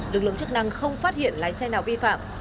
lực lượng chức năng không phát hiện lái xe nào vi phạm